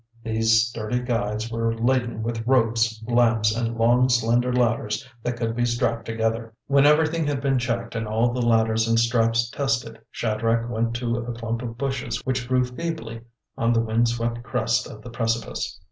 These sturdy guides were laden with ropes, lamps, and long, slender ladders that could be strapped together. When everything had been checked and all the ladders and straps tested, Shadrach went to a clump of bushes which grew feebly on the wind swept crest of the precipice.